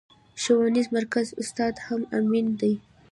ښوونيز مرکز استاد هم امين دی.